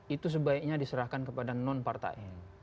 itu sebaiknya diserahkan kepada non partai